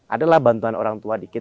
adalah bantuan orang tua dikit